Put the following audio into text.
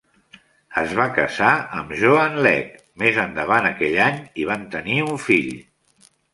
Es va casar amb Joanne Legg més endavant aquell any i van tenir un fill.